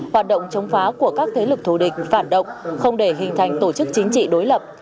hoạt động chống phá của các thế lực thù địch phản động không để hình thành tổ chức chính trị đối lập